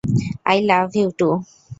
I love you, two.